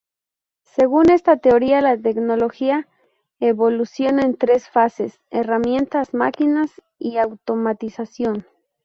Según esta teoría la tecnología evoluciona en tres fases: herramientas, máquinas y automatización.